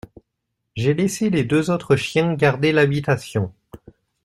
J’ai laissé les deux autres chiens garder l’habitation.